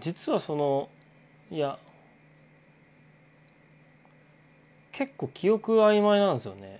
実はそのいや結構記憶は曖昧なんですよね。